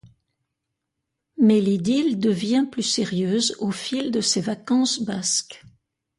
Mais l'idylle devient plus sérieuse au fil de ses vacances basques.